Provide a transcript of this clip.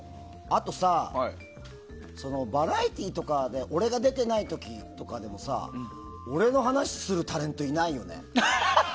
あとさ、バラエティーとかで俺が出てない時とかでもさ俺の話をするタレントいないよね。